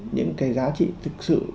những cái giá trị thực sự